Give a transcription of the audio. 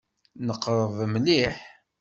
Neqreb mliḥ.